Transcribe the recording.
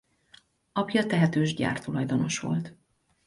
Apja tehetős gyártulajdonos volt.